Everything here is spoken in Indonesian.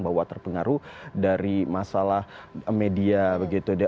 bahwa terpengaruh dari masalah media begitu